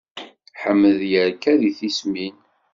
Ḥmed yerka deg tismin.